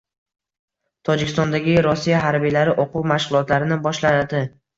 Tojikistondagi Rossiya harbiylari o‘quv mashg‘ulotlarini boshladi